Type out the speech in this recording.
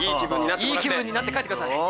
いい気分になって帰ってください。